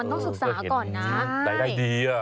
มันต้องศึกษาก่อนนะได้ดีอะ